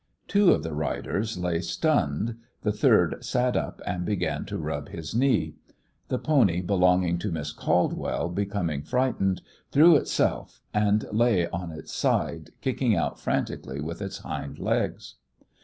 Two of the riders lay stunned. The third sat up and began to rub his knee. The pony belonging to Miss Caldwell, becoming frightened, threw itself and lay on its side, kicking out frantically with its hind legs.